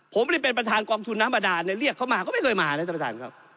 ผมไม่ได้เป็นประธานกองทุนน้ำบาดานเรียกเขามาก็ไม่เคยมานะท่านประธานครับ